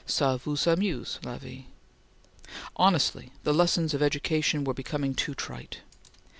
Ca vous amuse, la vie? Honestly, the lessons of education were becoming too trite.